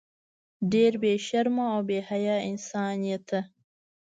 ډیر بی شرمه او بی حیا انسان یی ته